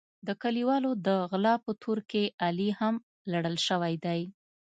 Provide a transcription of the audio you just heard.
د کلیوالو د غلا په تور کې علي هم لړل شوی دی.